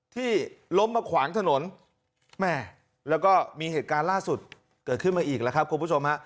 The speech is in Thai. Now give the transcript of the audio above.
ที่ล้มมาขวางถนนแม่แล้วก็มีเหตุการณ์ล่าสุดเกิดขึ้นมาอีกแล้วครับคุณผู้ชมฮะ